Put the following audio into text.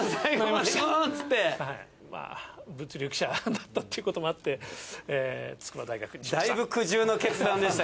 まあ物流記者だったっていうこともあって筑波大学にしました。